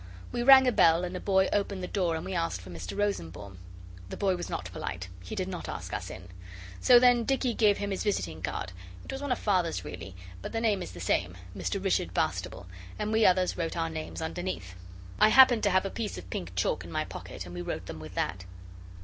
We rang a bell and a boy opened the door and we asked for Mr Rosenbaum. The boy was not polite; he did not ask us in. So then Dicky gave him his visiting card; it was one of Father's really, but the name is the same, Mr Richard Bastable, and we others wrote our names underneath. I happened to have a piece of pink chalk in my pocket and we wrote them with that.